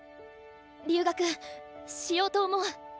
留学しようと思う。